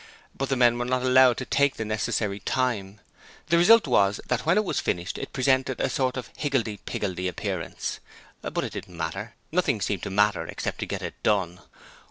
But the men were not allowed to take the necessary time. The result was that when it was finished it presented a sort of 'higgledy piggledy' appearance. But it didn't matter: nothing seemed to matter except to get it done.